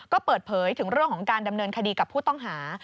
ก็เปิดเผยถึงเรื่องของการดำเนินคดีกับผู้ต้องหา